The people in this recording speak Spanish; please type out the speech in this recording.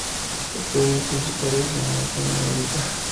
Papeles principales están negrita.